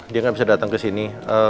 dia gak bisa dateng kesini